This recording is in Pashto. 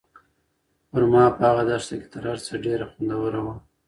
خورما په هغه دښته کې تر هر څه ډېره خوندوره وه.